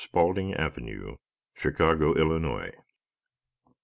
Spaulding Ave., Chicago, Illinois.